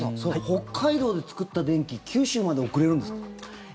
北海道で作った電気九州まで送れるんですか？